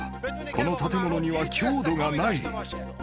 この建物には強度がない。